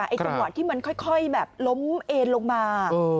จังหวะที่มันค่อยแบบล้มเอ็นลงมา